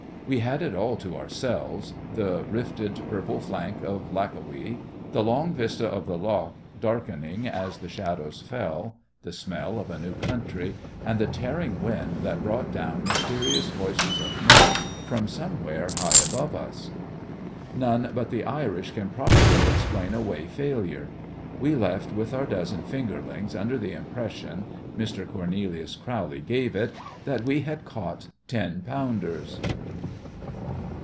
We had it all to ourselves—the rifted purple flank of Lackawee, the long vista of the lough darkening as the shadows fell; the smell of a new country, and the tearing wind that brought down mysterious voices of men from somewhere high above us. None but the Irish can properly explain away failure. We left with our dozen fingerlings, under the impression—Mister Cornelius Crowley gave it—that we had caught ten pounders.